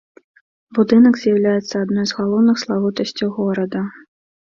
Будынак з'яўляецца адной з галоўных славутасцяў горада.